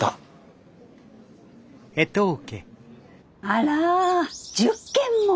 あら１０件も？